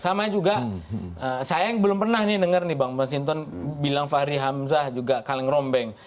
sama juga saya yang belum pernah dengar nih bang mas hinton bilang fahri hamzah juga kaleng rombeng